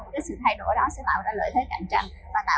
cái sự thay đổi đó sẽ tạo ra lợi thế cạnh tranh